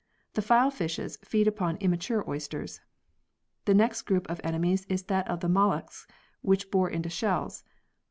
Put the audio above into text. The file fishes feed upon immature oysters. The next group of enemies is that of the molluscs which bore into shells.